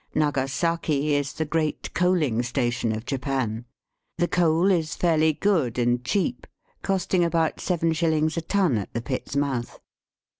Nagasaki is the great coaling station of Japan. The coal is fairly good and cheap, costing about seven shillings a ton at the pit's mouth.